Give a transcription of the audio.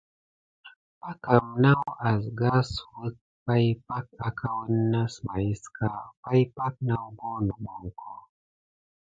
Packam naw asgassuwək pay pak aka wəne nasmaïska, pay pak nawbo nəɓoŋko.